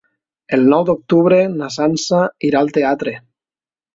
El nou d'octubre na Sança irà al teatre.